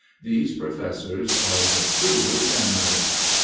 These professors are the true examiners!